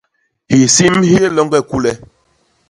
Hisim hi yé loñge i kule.